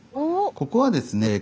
ここはですね